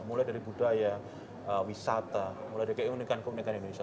mulai dari budaya wisata mulai dari keunikan keunikan indonesia